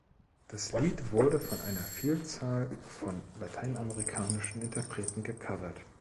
Das Lied wurde von einer Vielzahl von lateinamerikanischen Interpreten gecovert.